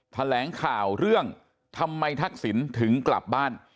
แถลงข่าวเรื่องทำไมทักษิณถึงกลับบ้าน